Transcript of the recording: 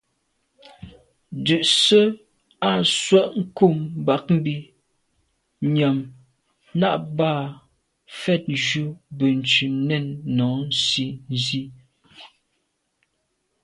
Ndùse à swe’ nkum bag mbi nyam nà à ba mfetnjù Benntùn nèn nô nsi nzi.